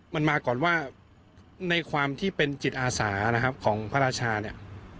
มันมาก่อนว่าในความที่เป็นจิตอาสานะครับของพระราชาเนี่ย